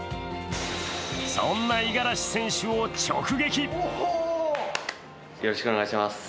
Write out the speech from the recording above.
そんな五十嵐選手を直撃。